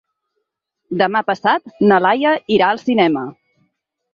Demà passat na Laia irà al cinema.